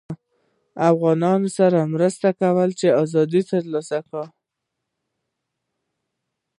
افغانانوسره مرسته کوله چې ازادي ترلاسه کړي